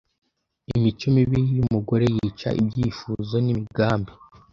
Imico mibi y’umugore yica ibyifuzo n’imigambi